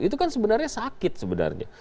itu kan sebenarnya sakit sebenarnya